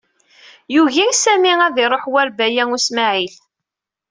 Yugi Sami ad iṛuḥ war Baya U Smaɛil.